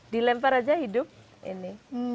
dilempar aja hidup ini